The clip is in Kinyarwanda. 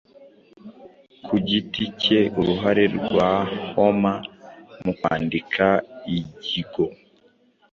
kugiti cyeUruhare rwa Homer mu kwandika igiigo